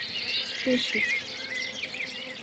Kacef.